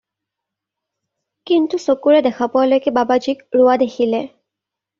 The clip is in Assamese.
কিন্তু চকুৰে দেখা পোৱা লৈকে বাবাজীক ৰোৱা নেদেখিলে।